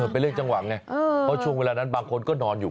เป็นเรื่องจังหวะไงเพราะช่วงเวลานั้นบางคนก็นอนอยู่